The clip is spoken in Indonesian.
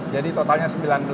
jadi totalnya sembilan puluh enam